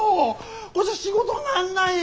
これじゃ仕事になんないよ。